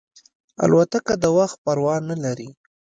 الوتکه د وخت پروا نه لري.